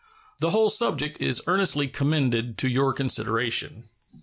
The whole subject is earnestly commended to your consideration.